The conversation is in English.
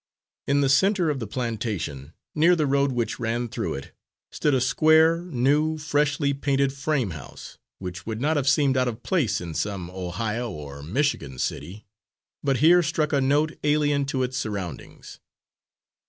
In the centre of the plantation, near the road which ran through it, stood a square, new, freshly painted frame house, which would not have seemed out of place in some Ohio or Michigan city, but here struck a note alien to its surroundings.